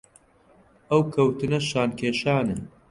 ئەو کەوتنە شان کێشانە